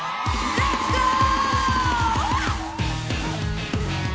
レッツゴー！